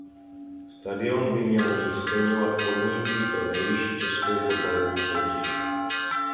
Stadion by měl nyní splňovat podmínky pro nejvyšší českou fotbalovou soutěž.